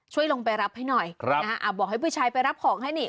ช่วยลงไปรับให้หน่อยบอกให้ผู้ชายไปรับของให้นี่